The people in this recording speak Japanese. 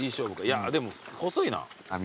いやでも細いな。